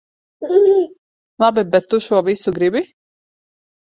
Labi, bet tu šo visu gribi?